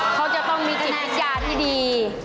เขาจะต้องมีกิจวิเคราะห์ที่ดี